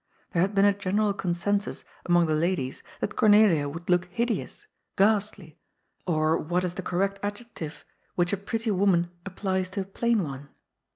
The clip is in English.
There had been a general consensus among the ladies that Cornelia would look " hideous,'' " ghastly "—or what is the correct adjective which a pretty woman applies to a plain one